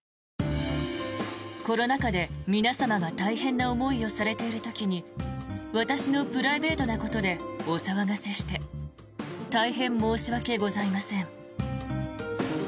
コロナ禍で皆様が大変な思いをされている時に私のプライベートなことでお騒がせして大変申し訳ございません。